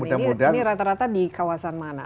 dan ini rata rata di kawasan mana